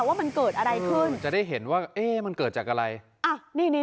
ว่ามันเกิดอะไรขึ้นจะได้เห็นว่าเอ๊ะมันเกิดจากอะไรอ่ะนี่นี่